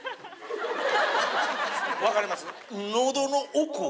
分かります？